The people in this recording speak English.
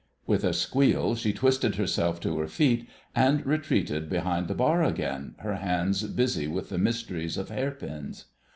With a squeal she twisted herself to her feet and retreated behind the bar again, her hands busy with the mysteries of hair pins.